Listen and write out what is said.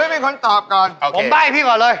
หนุ๊ยเป็นคนตอบก่อนผมได้พี่ก่อนเลย